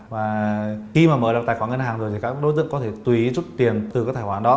và khi mà mở được tài khoản ngân hàng rồi thì các đối tượng có thể tùy ý rút tiền từ cái tài khoản đó